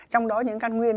trong đó những căn nguyên